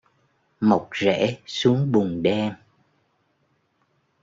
mọc rễ xuống bùn đen?